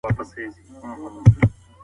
انټي بیوټیک باید پوره دوره وخوړل شي.